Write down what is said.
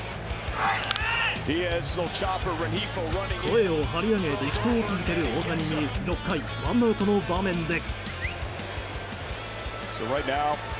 声を張り上げ力投を続ける大谷に６回１アウトの場面で。